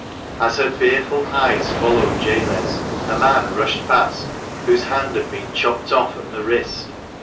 As her fearful eyes followed Jabez, a man rushed past whose hand had been chopped off at the wrist.